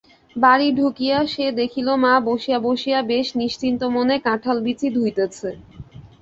বাড়ি ঢুকিযা সে দেখিল মা বসিয়া বসিযা বেশ নিশ্চিন্ত মনে কাঁঠালবীচি ধুইতেছে।